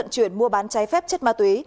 chuyển mua bán chai phép chất ma túy